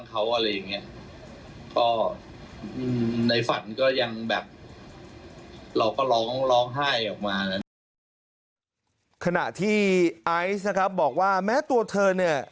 ขณะไอซ์นะครับบอกว่าแม้ตัวเธอเนี่ย